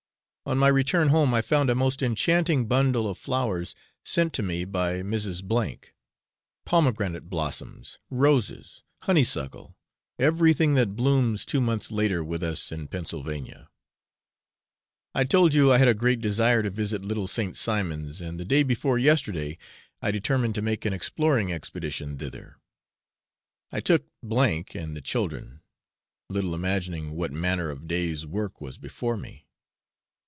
On my return home, I found a most enchanting bundle of flowers, sent to me by Mrs. G ; pomegranate blossoms, roses, honeysuckle, everything that blooms two months later with us in Pennsylvania. I told you I had a great desire to visit Little St. Simon's, and the day before yesterday I determined to make an exploring expedition thither. I took M and the children, little imagining what manner of day's work was before me.